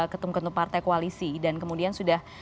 ketum ketum partai koalisi dan kemudian sudah